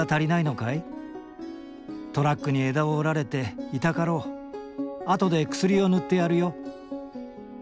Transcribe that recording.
トラックに枝を折られて痛かろう後で薬を塗ってやるよ。